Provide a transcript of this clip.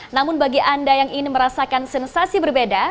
namun bagi anda yang ingin merasakan sensasi berbeda